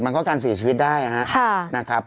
มันก็การเสียชีวิตได้นะครับ